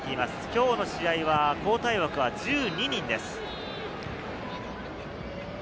きょうの試合は交代枠は１２人です。